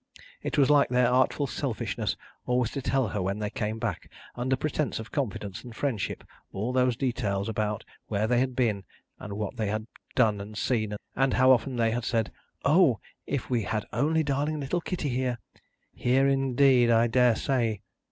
It was like their artful selfishness always to tell her when they came back, under pretence of confidence and friendship, all those details about where they had been, and what they had done and seen, and how often they had said, "O! If we had only darling little Kitty here!" Here indeed! I dare say!